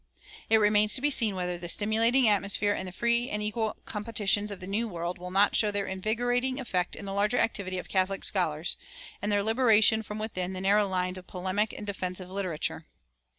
It remains to be seen whether the stimulating atmosphere and the free and equal competitions of the New World will not show their invigorating effect in the larger activity of Catholic scholars, and their liberation from within the narrow lines of polemic and defensive literature.